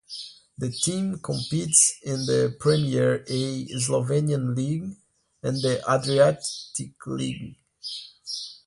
The team competes in the Premier A Slovenian League and the Adriatic League.